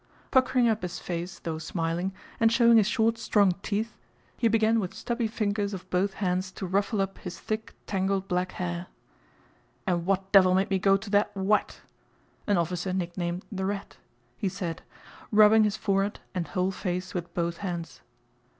Puckering up his face though smiling, and showing his short strong teeth, he began with stubby fingers of both hands to ruffle up his thick tangled black hair. "And what devil made me go to that wat?" (an officer nicknamed "the rat") he said, rubbing his forehead and whole face with both hands.